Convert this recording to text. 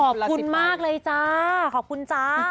ขอบคุณมากเลยจ้าขอบคุณจ้า